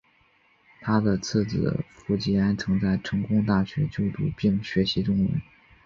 他的次子傅吉安曾在成功大学就读并学习中文。